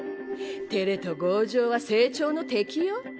てれと強情は成長の敵よ。